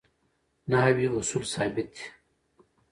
نحوي اصول ثابت دي.